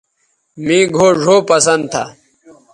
مے گھؤ ڙھؤ پسند تھا